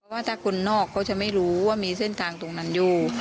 ว่าถ้าคนนอกเขาจะไม่รู้ว่ามีเส้นทางตรงนั้นอยู่